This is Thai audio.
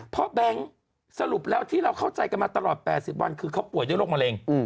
เพราะแบงค์สรุปแล้วที่เราเข้าใจกันมาตลอด๘๐วันคือเขาป่วยด้วยโรคมะเร็ง